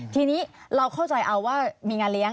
ทีนี้เราเข้าใจเอาว่ามีงานเลี้ยง